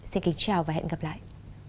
xin kính chào và hẹn gặp lại